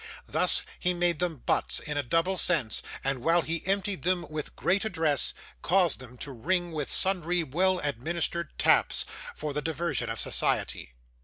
Thus, he made them butts, in a double sense, and while he emptied them with great address, caused them to ring with sundry well administered taps, for the diversion of society.